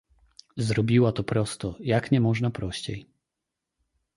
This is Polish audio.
"Zrobiła to prosto, jak nie można prościej."